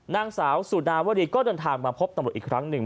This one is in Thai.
นางสาวสุนาวรีก็เดินทางมาพบตำรวจอีกครั้งหนึ่ง